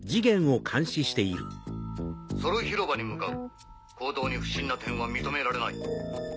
ソル広場に向かう行動に不審な点は認められない。